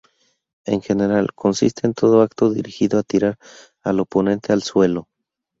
En general, consiste en todo acto dirigido a tirar al oponente al suelo.